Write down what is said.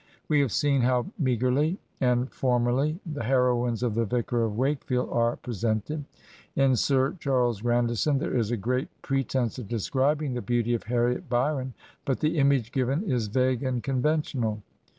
We have seen how meagrely and for mally the heroines of " The Vicar of Wakefield " are pre sented. In "Sir Charles Grandison/' there is a great pretence of describing the beauty of Harriet Byron, but the image given is vague and conventional.